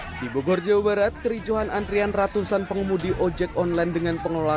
di bogor jawa barat kericuhan antrian ratusan pengemudi ojek online dengan pengelola